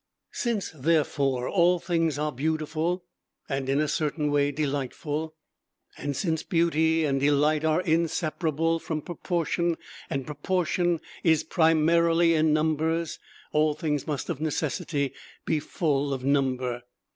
Since therefore all things are beautiful, and in a certain way delightful, and since beauty and delight are inseparable from proportion, and proportion is primarily in numbers, all things must of necessity be full of number.